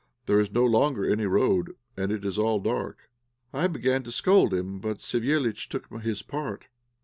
There is no longer any road, and it is all dark." I began to scold him, but Savéliitch took his part.